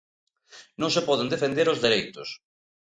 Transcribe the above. Non se poden defender os dereitos.